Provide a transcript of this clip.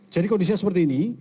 jadi kondisinya seperti ini